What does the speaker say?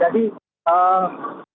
jadi terima kasih